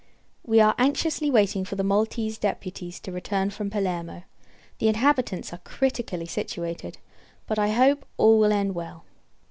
We are anxiously waiting for the Maltese deputies to return from Palermo. The inhabitants are critically situated; but, I hope, all will end well.